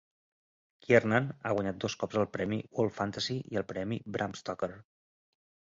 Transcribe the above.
Kiernan ha guanyat dos cops el premi World Fantasy i el premi Bram Stoker.